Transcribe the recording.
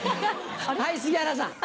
はい杉原さん。